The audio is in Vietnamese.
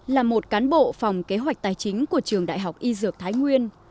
là một cán bộ phòng kế hoạch tài chính của trường đại học y dược thái nguyên